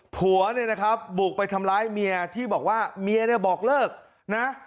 ผัวเนี่ยนะครับบุกไปทำร้ายเมียที่บอกว่าเมียเนี่ยบอกเลิกนะ